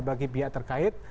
bagi pihak terkait